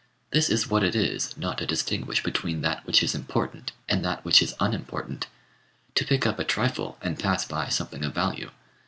This is what it is, not to distinguish between that which is important and that which is unimportant to pick up a trifle and pass by something of value.